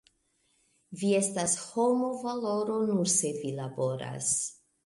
Vi estas homo valoro nur se vi laboras.